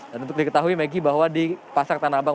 dan untuk diketahui megi bahwa di pasar tanah abang